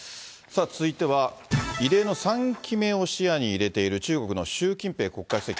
続いては、異例の３期目を視野に入れている中国の習近平国家主席。